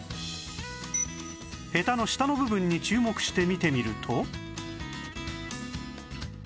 ヘタの下の部分に注目して見てみると